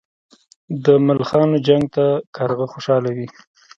د ملخانو جنګ ته کارغه خوشاله وي.